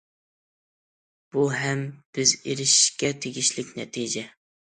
بۇ ھەم بىز ئېرىشىشكە تېگىشلىك نەتىجە.